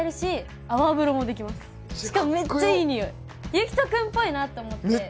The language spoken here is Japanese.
ゆきとくんぽいなと思って！